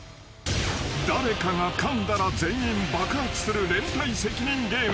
［誰かがかんだら全員爆発する連帯責任ゲーム］